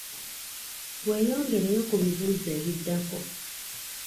Weeyongereyo ku bibuuzo ebiddako.